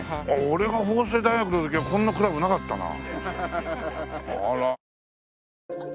俺が法政大学の時はこんなクラブなかったな。